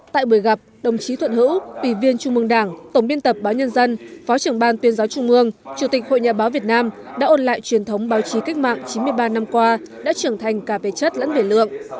tại buổi gặp đồng chí thuận hữu ủy viên trung mương đảng tổng biên tập báo nhân dân phó trưởng ban tuyên giáo trung mương chủ tịch hội nhà báo việt nam đã ôn lại truyền thống báo chí cách mạng chín mươi ba năm qua đã trưởng thành cả về chất lẫn về lượng